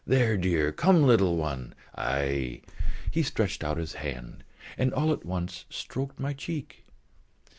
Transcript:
"There, dear.... Come, little one, aïe!" He stretched out his hand, and all at once stroked my cheek.